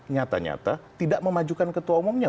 nyata nyata tidak memajukan ketua umumnya